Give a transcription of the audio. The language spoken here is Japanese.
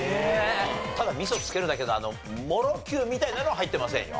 ただ味噌をつけるだけのもろきゅうみたいなのは入ってませんよ。